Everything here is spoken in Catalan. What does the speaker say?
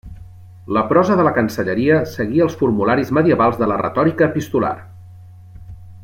La prosa de la Cancelleria seguia els formularis medievals de la retòrica epistolar.